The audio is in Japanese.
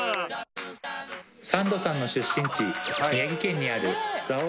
サンドさんの出身地宮城県にある蔵王